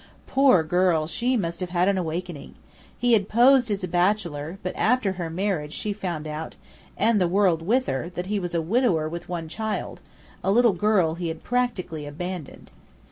Poor girl, she must have had an awakening! He had posed as a bachelor; but after her marriage she found out (and the world with her) that he was a widower with one child, a little girl he had practically abandoned.